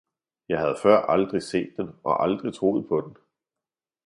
jeg havde før aldrig set den og aldrig troet på den.